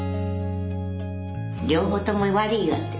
両方とも悪いわってな。